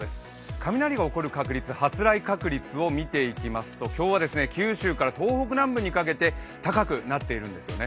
雷が起こる確率、発雷確率を見ていきますと今日は九州から東北南部にかけて高くなっているんですよね。